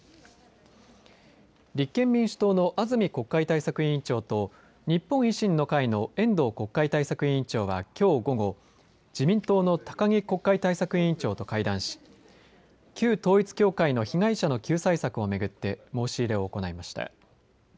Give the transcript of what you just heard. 立憲民主党の安住国会対策委員長と日本維新の会の遠藤国会対策委員長はきょう午後自民党の高木国会対策委員長と会談し旧統一教会の被害者の救済を巡って申し入れを行いました。